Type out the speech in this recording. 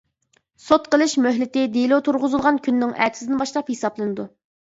سوت قىلىش مۆھلىتى دېلو تۇرغۇزۇلغان كۈننىڭ ئەتىسىدىن باشلاپ ھېسابلىنىدۇ.